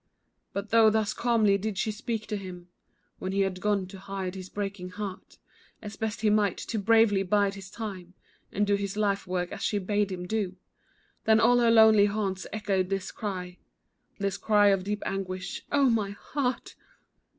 But though thus calmly did she speak to him, When he had gone to hide his breaking heart As best he might, to bravely bide his time, And do his life work as she bade him do, Then all her lonely haunts echoed this cry, This cry of deeper anguish "Oh, my heart!"